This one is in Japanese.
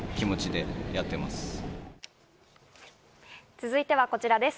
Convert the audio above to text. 続いては、こちらです。